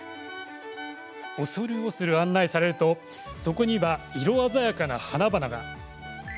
恐る恐る案内されるとそこには色鮮やかな花々が。